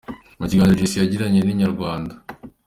Mu kiganiro Jay C yagiranye n’Inyarwanda.